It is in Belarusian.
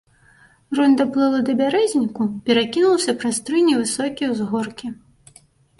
Рунь даплыла да бярэзніку, перакінулася праз тры невысокія ўзгоркі.